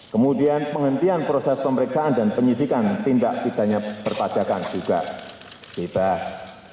kemudian penghentian proses pemeriksaan dan penyijikan tindak tindaknya berpajakan juga bebas